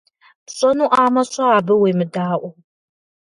Пщӏэнуӏамэ, щӏэ, абы уемыдаӏуэу.